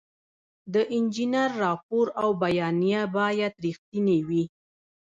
د انجینر راپور او بیانیه باید رښتینې وي.